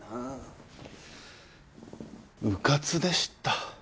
うかつでした。